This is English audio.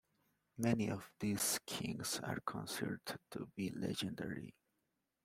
Many of these kings are considered to be legendary.